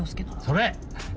それ！